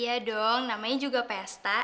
iya dong namanya juga pesta